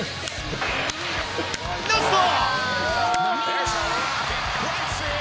ラスト。